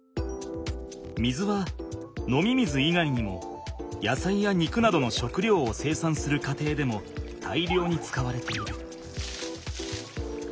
水は飲み水以外にもやさいや肉などの食料を生産する過程でも大量に使われている。